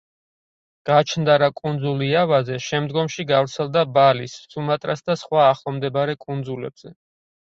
გაჩნდა რა კუნძულ იავაზე, შემდგომში გავრცელდა ბალის, სუმატრას და სხვა ახლომდებარე კუნძულებზე.